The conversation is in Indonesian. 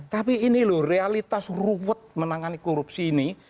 tapi ini loh realitas ruwet menangani korupsi ini